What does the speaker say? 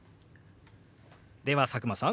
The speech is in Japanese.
では佐久間さん